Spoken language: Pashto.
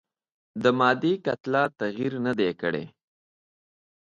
د مادې کتله تغیر نه دی کړی.